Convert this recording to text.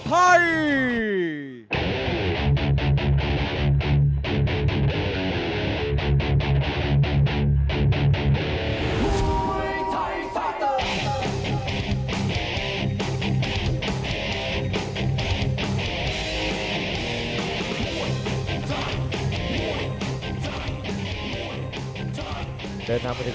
๓คู่ที่ผ่านมานั้นการันตีถึงความสนุกดูดเดือดที่แฟนมวยนั้นสัมผัสได้ครับ